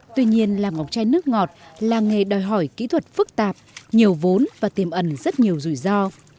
tuy nhiên làm ngọc chai nước ngọt là nghề đòi hỏi kỹ thuật phức tạp nhiều vốn và tiềm ẩn rất nhiều rủi ro